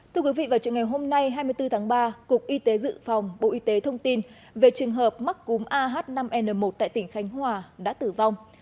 thưa quý vị vào trường ngày hôm nay hai mươi bốn tháng ba cục y tế dự phòng bộ y tế thông tin về trường hợp mắc cúm ah năm n một tại tỉnh khánh hòa đã tử vong